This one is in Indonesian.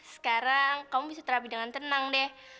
sekarang kamu bisa terapi dengan tenang deh